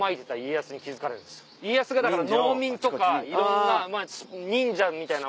家康がだから農民とかいろんな忍者みたいな。